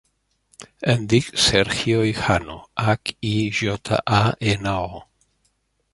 Em dic Sergio Hijano: hac, i, jota, a, ena, o.